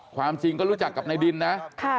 ความจริงก็รู้จักกับในดินนะครับ